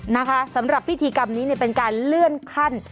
นะคะสำหรับพิธีกรรมนี้เนี่ยเป็นการเลื่อนขั้น